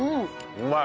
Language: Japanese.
うまい！